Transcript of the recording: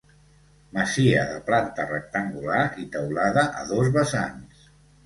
Masia de planta rectangular i teulada a dos vessants.